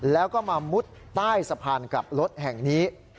แล้วก็มามุดใต้สะพานกลับรถแห่งนี้